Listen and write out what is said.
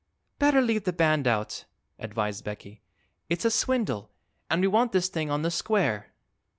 "Better leave the band out," advised Becky. "It's a swindle, and we want this thing on the square."